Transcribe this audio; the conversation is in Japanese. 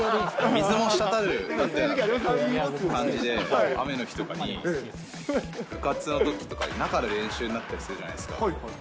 水も滴る感じで雨の日とかに、部活のときとか、中で練習になったりするじゃないですか。